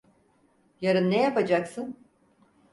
Yarın ne yapacaksın?